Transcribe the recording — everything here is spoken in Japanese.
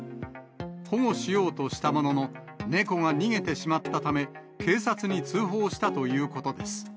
保護しようとしたものの、猫が逃げてしまったため、警察に通報したということです。